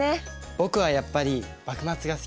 僕はやっぱり幕末が好き。